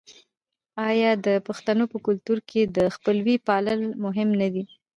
آیا د پښتنو په کلتور کې د خپلوۍ پالل مهم نه دي؟